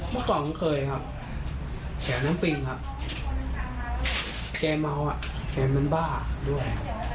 มะกรอบมันเคยครับแข่น้ำปิงครับแข่เมาอ่ะแข่มันบ้าด้วย